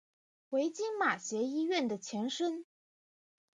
为今马偕医院的前身。